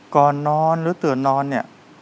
ก่อนนอนหรือตื่นนอนเนี่ย